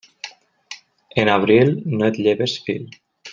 En abril no et lleves fil.